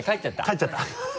帰っちゃった